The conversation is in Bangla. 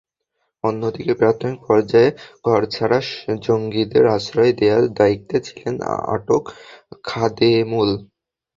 অন্যদিকে, প্রাথমিক পর্যায়ে ঘরছাড়া জঙ্গিদের আশ্রয় দেওয়ার দায়িত্বে ছিলেন আটক খাদেমুল।